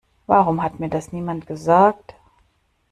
Warum hat mir das niemand gesagt?